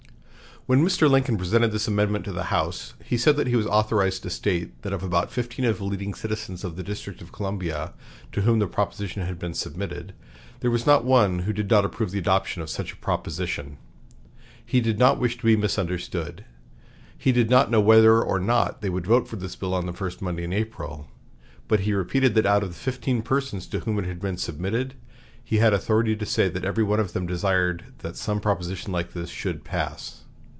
When Mr. Lincoln presented this amendment to the House, he said that he was authorized to state that of about fifteen of the leading citizens of the District of Columbia, to whom the proposition had been submitted, there was not one who did not approve the adoption of such a proposition. He did not wish to be misunderstood. He did not know whether or not they would vote for this bill on the first Monday in April; but he repeated that out of fifteen persons to whom it had been submitted, he had authority to say that every one of them desired that some proposition like this should pass.